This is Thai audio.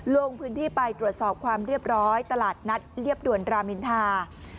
ลงพื้นที่ไปตรวจสอบความเรียบร้อยตลาดนัดเรียบด่วนรามินทา